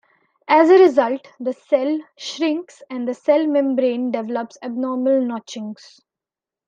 As a result, the cell shrinks and the cell membrane develops abnormal notchings.